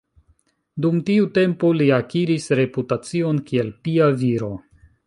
Dum tiu tempo li akiris reputacion kiel pia viro.